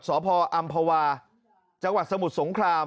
พออำภาวาจังหวัดสมุทรสงคราม